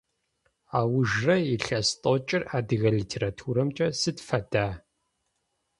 Аужрэ илъэс тӏокӏыр адыгэ литературэмкӏэ сыд фэда?